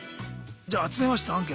じゃあ集めました